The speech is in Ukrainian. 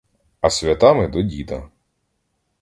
А святами — до діда.